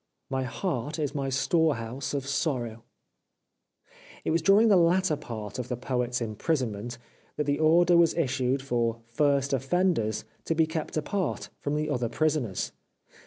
My heart is my storehouse of sorrow !" It was during the latter part of the Poet's imprisonment that the order was issued for " first offenders " to be kept apart from the 389 The Life of Oscar Wilde other prisoners.